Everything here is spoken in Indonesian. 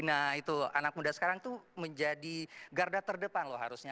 nah itu anak muda sekarang tuh menjadi garda terdepan loh harusnya